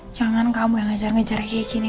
jangan kamu yang ngejar ngejar kayak gini